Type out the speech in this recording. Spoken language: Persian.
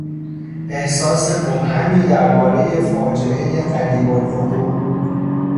احساس مبهمی دربارهی فاجعهی قریبالوقوع